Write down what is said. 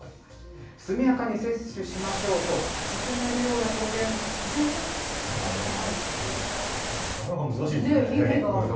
速やかに接種しましょうと勧めるなかなか難しいですね。